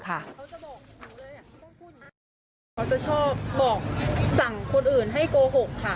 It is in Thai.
เขาจะชอบบอกสั่งคนอื่นให้โกหกค่ะ